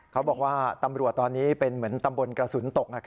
เขาบอกว่าตำรวจตอนนี้เป็นเหมือนตำบลกระสุนตก